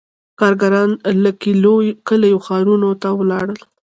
• کارګران له کلیو ښارونو ته ولاړل.